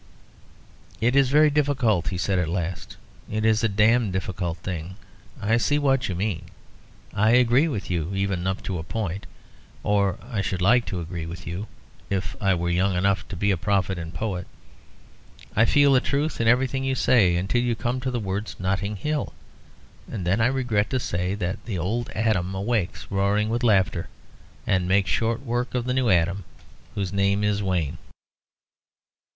"It is very difficult," he said at last. "It is a damned difficult thing. I see what you mean; I agree with you even up to a point or I should like to agree with you, if I were young enough to be a prophet and poet. I feel a truth in everything you say until you come to the words 'Notting Hill.' And then I regret to say that the old Adam awakes roaring with laughter and makes short work of the new Adam, whose name is Wayne."